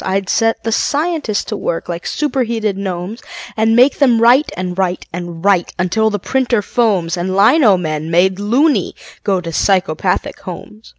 I'd set the scientists to work like superheated gnomes, And make them write and write and write until the printer foams And lino men, made "loony", go to psychopathic homes.